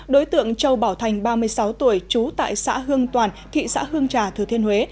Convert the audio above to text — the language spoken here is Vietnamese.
đối tượng châu bảo thành ba mươi sáu tuổi trú tại xã hương toàn thị xã hương trà thừa thiên huế